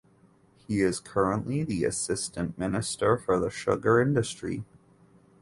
He is currently the Assistant Minister for the Sugar Industry.